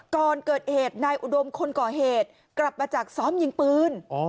ก่อนเกิดเหตุนายอุดมคนก่อเหตุกลับมาจากซ้อมยิงปืน